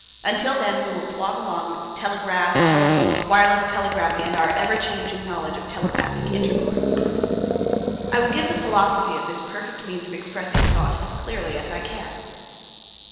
Until then we will plod along with the telegraph, telephone, wireless telegraphy and our ever changing knowledge of telepathic intercourse. I will give the philosophy of this perfect means of expressing thought as clearly as I can.